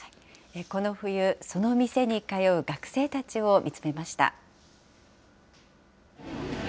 この冬、その店に通う学生たちを見つめました。